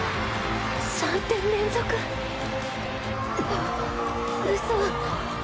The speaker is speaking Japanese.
３点連続！ウソ。